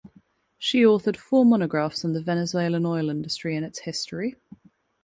She authored four monographs on the Venezuelan oil industry and its history.